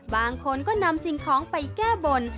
บางคนก็นำสิ่งของไปแก้บน